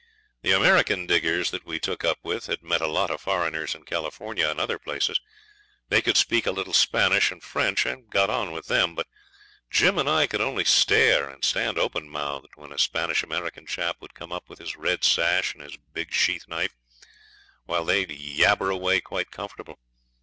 The American diggers that we took up with had met a lot of foreigners in California and other places. They could speak a little Spanish and French, and got on with them. But Jim and I could only stare and stand open mouthed when a Spanish American chap would come up with his red sash and his big sheath knife, while they'd yabber away quite comfortable.